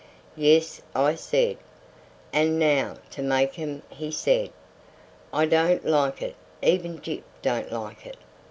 "Yes," I said. "And 'nough to make 'em," he said. "I don't like it; even Gyp don't like it.